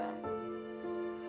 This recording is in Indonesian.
gue mau berpikir